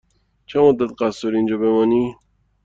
چه مدت قصد داری اینجا بمانی؟